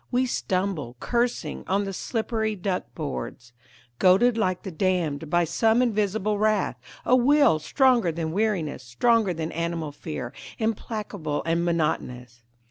We stumble, cursing, on the slippery duck boards. Goaded like the damned by some invisible wrath, A will stronger than weariness, stronger than animal fear, Implacable and monotonous.